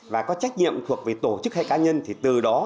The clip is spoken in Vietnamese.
và có trách nhiệm thuộc về tổ chức hay cá nhân thì từ đó